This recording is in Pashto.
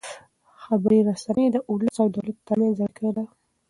خبري رسنۍ د ولس او دولت ترمنځ اړیکه ده.